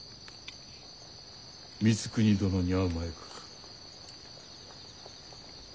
光圀殿に会う前か。